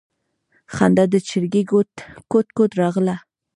خندا د چرگې کوټ کوټ راغله.